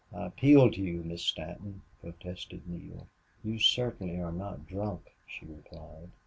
I appeal to you, Miss Stanton," protested Neale. "You certainly are not drunk," she replied.